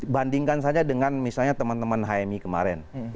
bandingkan saja dengan misalnya teman teman hmi kemarin